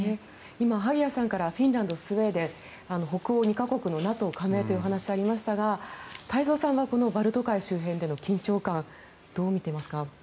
今、萩谷さんからフィンランド、スウェーデン北欧２か国のＮＡＴＯ加盟というお話がありましたが太蔵さんはこのバルト海周辺での緊張感どう見ていますか。